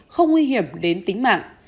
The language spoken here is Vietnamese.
không nguy hiểm đến tính mạng